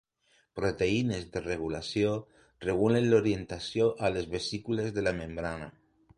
Proteïnes de regulació: regulen l'orientació a les vesícules de la membrana.